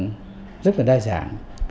phương tiện rất là đa dạng